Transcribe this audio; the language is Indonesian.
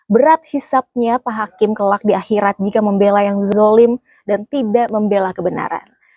berat hisapnya pak hakim kelak di akhirat jika membela yang zolim dan tidak membela kebenaran